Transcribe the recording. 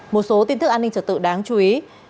một số tin tức an ninh trật tự đáng chú ý